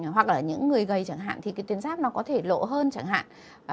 hoặc là những người gầy chẳng hạn thì cái tuyến giáp nó có thể lộ hơn chẳng hạn